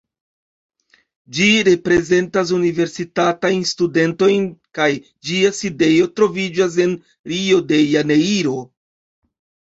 Ĝi reprezentas universitatajn studentojn kaj ĝia sidejo troviĝas en Rio de Janeiro.